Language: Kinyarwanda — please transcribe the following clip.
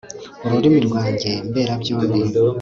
ururimi rwange mberabyombi